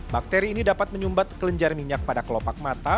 bakteri ini dapat menyumbat kelenjar minyak pada kelopak mata